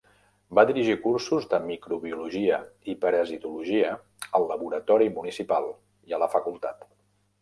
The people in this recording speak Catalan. Va dirigir cursos de microbiologia i parasitologia al Laboratori Municipal i a la Facultat.